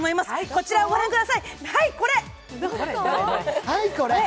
こちらをご覧ください、はい、これ！